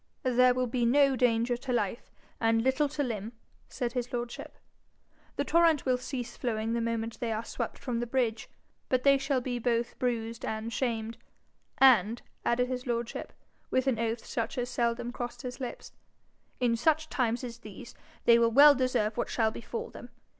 'There will be no danger to life, and little to limb,' said his lordship. 'The torrent will cease flowing the moment they are swept from the bridge. But they shall be both bruised and shamed; and,' added his lordship, with an oath such as seldom crossed his lips, 'in such times as these, they will well deserve what shall befall them.